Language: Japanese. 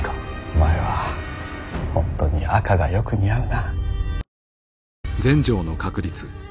お前は本当に赤がよく似合うな。